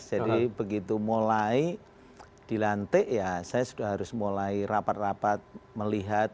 jadi begitu mulai dilantik ya saya sudah harus mulai rapat rapat melihat